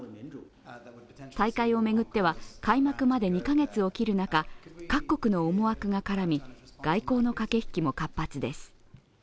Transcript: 大会を巡っては、開幕まで２カ月を切る中、各国の思惑が絡み、外交の駆け引きも活発です。